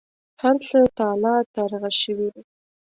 هرڅه تالا ترغه شوي و.